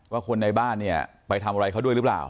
ว่าคนในบ้านไปทำอะไรเขาด้วยหรือเปล่า